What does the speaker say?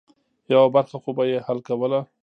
یوه برخه خو به یې حل کوله.